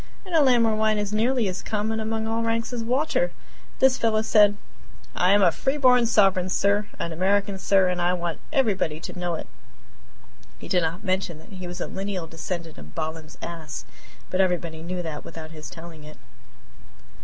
in a land where wine is nearly as common among all ranks as water! This fellow said: "I am a free born sovereign, sir, an American, sir, and I want everybody to know it!" He did not mention that he was a lineal descendant of Balaam's ass, but everybody knew that without his telling it.